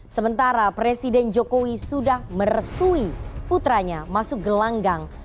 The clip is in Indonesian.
sementara presiden jokowi sudah merestui putranya masuk gelanggang